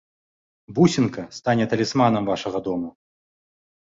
Бусінка стане талісманам вашага дому.